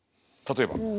例えば。